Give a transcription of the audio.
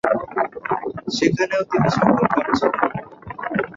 সেখানেও তিনি সফলকাম ছিলেন।